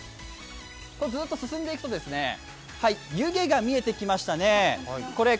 ずっと進んでいくと湯気が見えてきましたね。